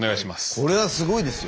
これはすごいですよ。